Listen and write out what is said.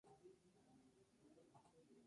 Tiene el títulos alternativo de "Put na Jug".